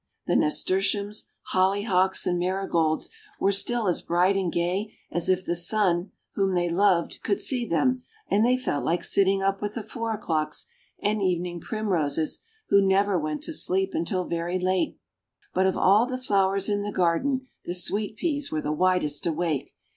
The Nasturtiums, Hollyhocks, and Marigolds were still as bright and gay as if the sun, whom they loved, could see them and they felt like sitting up with the Four O'Clocks and Evening Primroses, who never went to sleep until very late. But of all the flowers in the garden, the Sweet Peas were the widest awake.